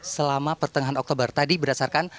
selama pertengahan oktober tadi berdasarkan